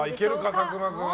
佐久間君は。